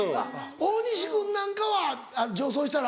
大西君なんかは女装したら。